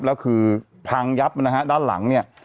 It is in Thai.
แล้วคือพังยับด้านหลัง